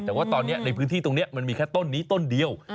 แต่ว่าตอนนี้ในพื้นที่ตรงนี้มันมีแค่ต้นนี้ต้นเดียว